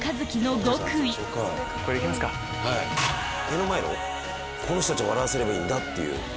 目の前のこの人たちを笑わせればいいんだっていう。